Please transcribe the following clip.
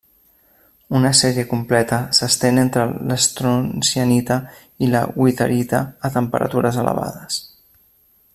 Una sèrie completa s'estén entre l'estroncianita i la witherita a temperatures elevades.